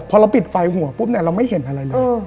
พอเราปิดไฟหัวปุ๊บเนี่ยเราไม่เห็นอะไรเลย